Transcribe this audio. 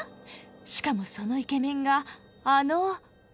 しかもそのイケメンがあの。